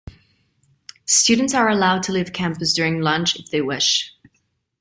Students are allowed to leave campus during lunch if they wish.